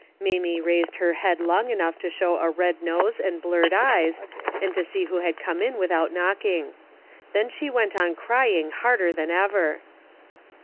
Mamie raised her head long enough to show a red nose and blurred eyes, and to see who had come in without knocking. Then she went on crying harder than ever.